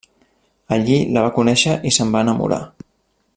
Allí la va conèixer i se'n va enamorar.